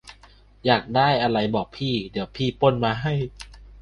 อยากได้อะไรบอกพี่ เดี๋ยวพี่ปล้นมาให้